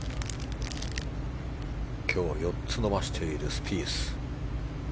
今日４つ伸ばしているスピース。